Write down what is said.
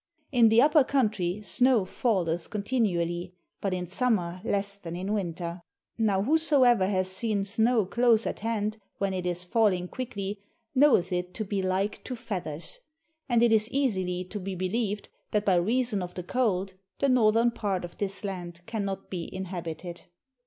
In the upper country snow falleth con tinually, but in summer less than in winter. Now, who soever hath seen snow close at hand when it is falling quickly knoweth it to be like to feathers. And it is easily to be believed that by reason of the cold the northern part of this land cannot be inhabited.